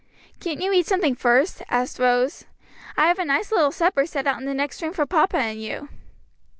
"Can't you eat something first?" asked Rose, "I have a nice little supper set out in the next room for papa and you."